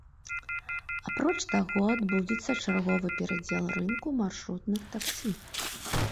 Апроч таго, адбудзецца чарговы перадзел рынку маршрутных таксі.